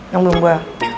yang belum gue